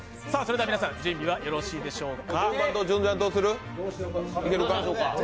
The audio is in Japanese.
皆さん準備はよろしいでしょうか。